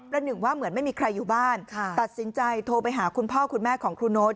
หนึ่งว่าเหมือนไม่มีใครอยู่บ้านตัดสินใจโทรไปหาคุณพ่อคุณแม่ของครูโน๊ต